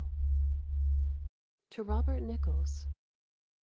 To Robert Nichols.